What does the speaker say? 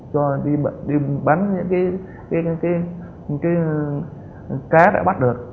cho đi bán những cái cá đã bắt được